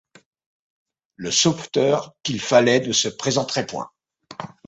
Le sauveteur qu’il fallait ne se présenterait point.